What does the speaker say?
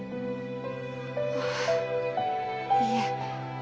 ああいえ。